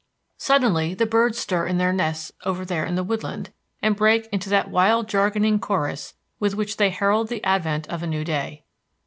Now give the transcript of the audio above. Suddenly the birds stir in their nests over there in the woodland, and break into that wild jargoning chorus with which they herald the advent of a new day.